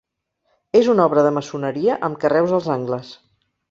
És una obra de maçoneria amb carreus als angles.